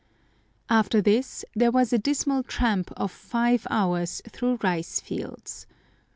After this there was a dismal tramp of five hours through rice fields.